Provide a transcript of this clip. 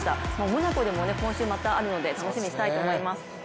モナコでも今週あるので楽しみにしたいと思います。